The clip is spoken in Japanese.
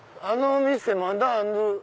あのお店まだある。